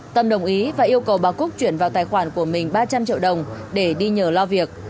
tâm đồng ý và yêu cầu bà cúc chuyển vào tài khoản của mình ba trăm linh triệu đồng để đi nhờ lo việc